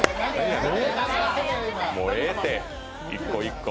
もうええて、１個１個。